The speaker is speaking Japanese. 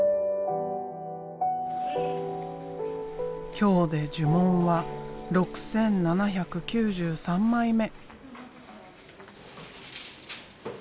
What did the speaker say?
今日で呪文は６，７９３枚目。